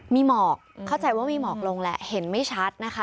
มีหมอกเข้าใจว่ามีหมอกลงแหละเห็นไม่ชัดนะคะ